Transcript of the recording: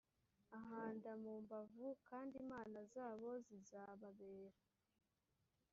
ahanda mu mbavu kandi imana zabo zizababera